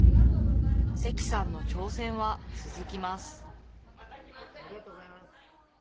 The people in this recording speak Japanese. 関さんの挑戦は続きます。